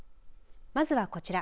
まずはこちら。